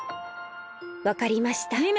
わかりました。